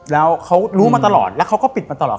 แล้วเขารู้มาตลอดแล้วเขาก็ปิดมาตลอด